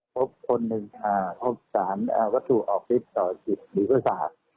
พบคน๑พบ๓วัตถุออกฤทธิตรหรือประสาท